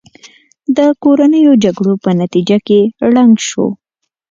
د کورنیو جګړو په نتیجه کې ړنګ شو.